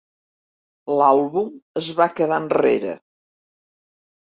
L'àlbum es va quedar enrere.